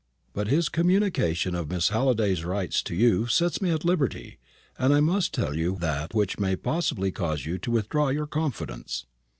But his communication of Miss Halliday's rights to you sets me at liberty, and I must tell you that which may possibly cause you to withdraw your confidence."